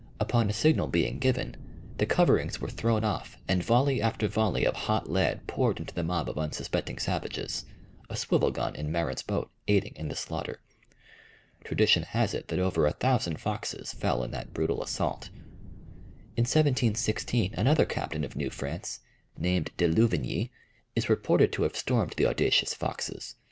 Upon a signal being given, the coverings were thrown off and volley after volley of hot lead poured into the mob of unsuspecting savages, a swivel gun in Marin's boat aiding in the slaughter. Tradition has it that over a thousand Foxes fell in that brutal assault. In 1716 another captain of New France, named De Louvigny, is reported to have stormed the audacious Foxes.